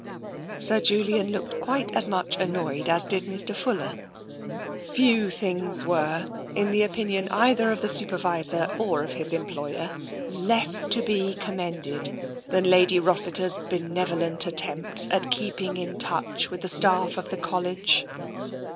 Sir Julian looked quite as much annoyed as did Mr. Fuller." Few things were, in the opinion either of the Super visor or of his employer, less to be commended than Lady Rossiter's benevolent attempts at keeping in touch with the staff of the College.